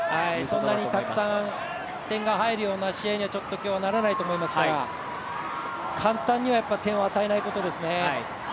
そんなにたくさん点が入るような試合には今日はならないと思いますから簡単には点を与えないことですね。